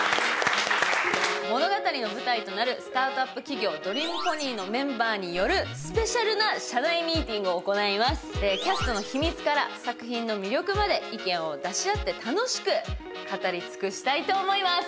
物語の舞台となるスタートアップ企業ドリームポニーのメンバーによるスペシャルな社内ミーティングを行いますキャストの秘密から作品の魅力まで意見を出し合って楽しく語り尽くしたいと思います